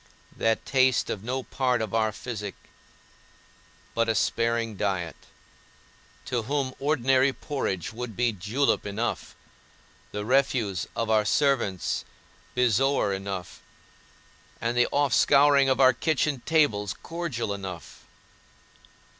that taste of no part of our physic, but a sparing diet, to whom ordinary porridge would be julep enough, the refuse of our servants bezoar enough, and the offscouring of our kitchen tables cordial enough.